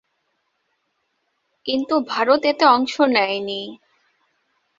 কিন্তু ভারত এতে অংশ নেয়নি।